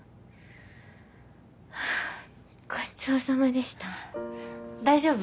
ごちそうさまでした大丈夫？